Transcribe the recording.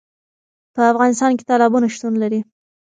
په افغانستان کې تالابونه شتون لري.